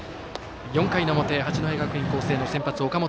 ４回の表八戸学院光星の先発、岡本。